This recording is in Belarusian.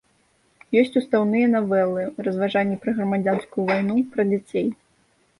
Ёсць устаўныя навелы, разважанні пра грамадзянскую вайну, пра дзяцей.